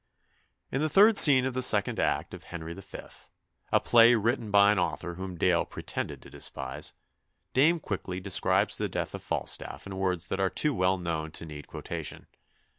In the third scene of the second act of "Henry V.," a play written by an author whom Dale pretended to despise, Dame Quickly describes the death of Falstaff in words that are too well known to need quotation.